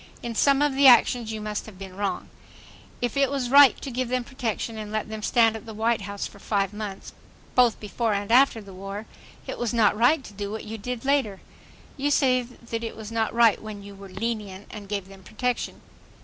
In some of the actions you must have been wrong. If it was right to give them protection and let them stand at the White House for five months, both before and after the war, it was not right to do what you did later. You say that it was not right when you were "lenient" and gave them protection.